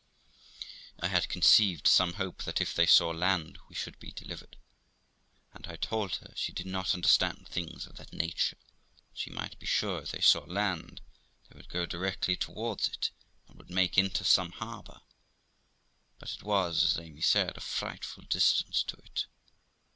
I had conceived some hope that, if they saw land, we should be deliv ered; and I told her she did not understand things of that nature; that she might be sure if they saw land they would go directly towards it, and would make into some harbour; but it was, as Amy said, a frightful distance to it.